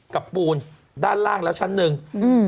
ปูนด้านล่างแล้วชั้นหนึ่งอืม